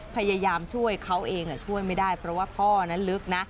พยายามช่วยเขาเองช่วยไม่ได้เพราะว่าท่อนั้นลึกนะ